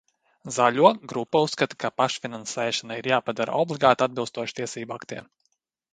Zaļo grupa uzskata, ka pašfinansēšana ir jāpadara obligāta atbilstoši tiesību aktiem.